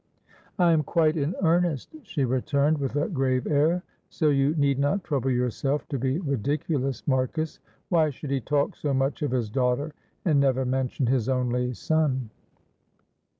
"I am quite in earnest," she returned, with a grave air. "So you need not trouble yourself to be ridiculous, Marcus. Why should he talk so much of his daughter and never mention his only son?"